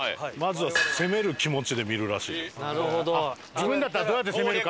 自分だったらどうやって攻めるかっていう？